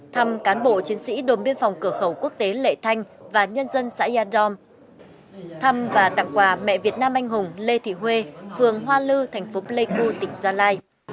thăm cán bộ chiến sĩ đồn biên phòng cửa khẩu quốc tế lệ thanh và nhân dân xã yà dom thăm và tặng quà mẹ việt nam anh hùng lê thị huê phường hoa lư thành phố pleiku tỉnh gia lai